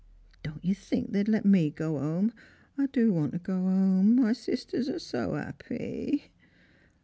Don't you think they'd let me go 'ome ? I do want to go 'ome ; my «isters are so 'appy."